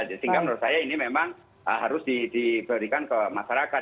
sehingga menurut saya ini memang harus diberikan ke masyarakat